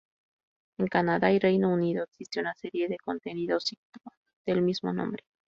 En Canadá y Reino Unido, existe una serie de contenidos ‘sitcom’ del mismo nombre.